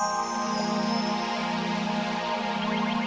hati hati jangan t'avainkan parrot toma